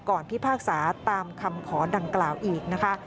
พิพากษาตามคำขอดังกล่าวอีกนะคะ